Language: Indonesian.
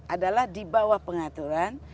adalah di bawah pengaturan